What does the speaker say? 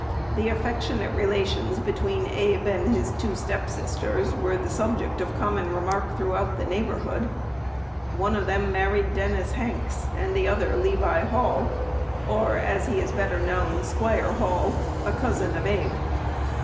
The affectionate relations between Abe and his two step sisters were the subject of common remark throughout the neighborhood. One of them married Dennis Hanks, and the other Levi Hall, or, as he is better known, Squire Hall, a cousin of Abe.